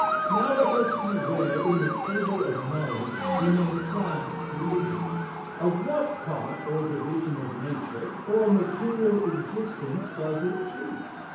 Now let us see where, in the table of knowledge, we may class religion. Of what part or division of nature, or material existence, does it treat?